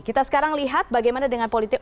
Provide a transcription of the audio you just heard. kita sekarang lihat bagaimana dengan politik